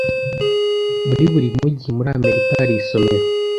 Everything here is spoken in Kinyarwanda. Muri buri mujyi muri Amerika hari isomero.